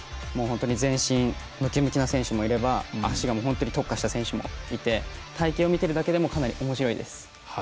全身ムキムキの選手もいれば足が本当に特化した選手もいて体形を見ているだけでもかなりおもしろいです。